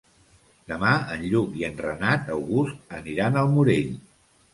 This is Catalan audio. Demà en Lluc i en Renat August aniran al Morell.